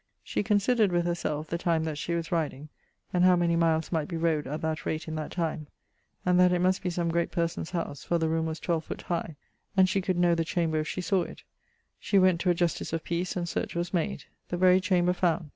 She considerd with herselfe the time that she was riding, and how many miles might be rode at that rate in that time, and that it must be some great person's house, for the roome was 12 foot high; and she could know the chamber if she sawe it. She went to a Justice of Peace, and search was made. The very chamber found.